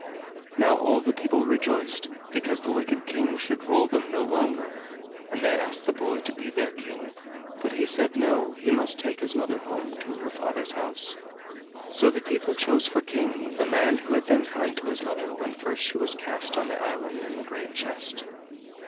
Now all the people rejoiced, because the wicked King should rule them no longer. And they asked the boy to be their king, but he said no, he must take his mother home to her father's house. So the people chose for king the man who had been kind to his mother when first she was cast on the island in the great chest.